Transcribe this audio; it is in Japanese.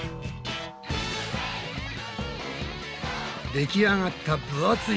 出来上がったぶ厚い